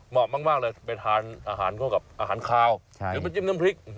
เหมาะมากเลยไปทานอาหารเข้ากับอาหารคาวหรือไปจิ้มน้ำพริก